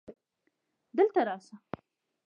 دلته راسه